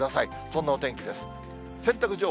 そんなお天気です。